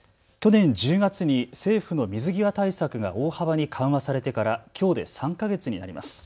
去年１０月に政府の水際対策が大幅に緩和されてからきょうで３か月になります。